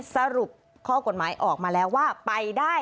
สรุปข้อกฎหมายออกมาแล้วว่าไปได้